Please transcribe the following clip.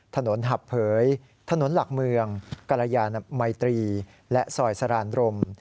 หับเผยถนนหลักเมืองกรยานมัยตรีและซอยสรานรม